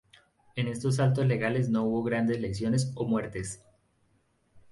En estos saltos legales no hubo grandes lesiones o muertes.